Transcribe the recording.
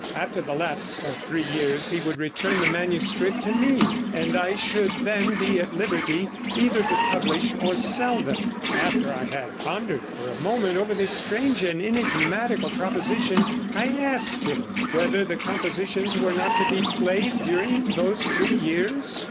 After the lapse of three years he would return the manuscript to me, and I should then be at liberty either to publish or sell them. After I had pondered a moment over this strange and enigmatical proposition, I asked him whether the compositions were not to be played during those three years?